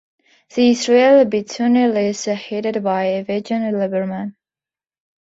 The Yisrael Beiteinu list is headed by Avigdor Lieberman.